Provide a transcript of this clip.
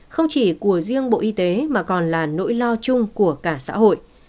không chỉ của riêng bộ y tế mà còn là nỗi lo chung của cả xã hội